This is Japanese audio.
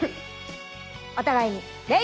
お互いに礼！